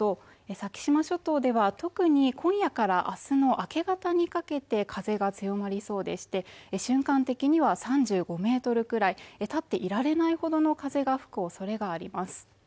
先島諸島では特に今夜からあすの明け方にかけて風が強まりそうでして瞬間的には３５メートルくらい、立っていられないほどの風が吹くおそれがあります